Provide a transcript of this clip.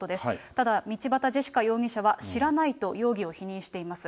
ただ、道端ジェシカ容疑者は、知らないと容疑を否認しています。